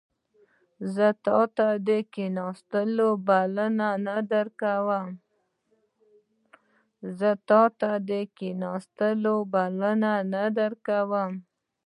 زه تا ته د کښیناستلو بلنه نه درکوم